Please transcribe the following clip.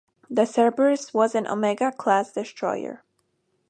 The Cerberus was an Omega-class destroyer.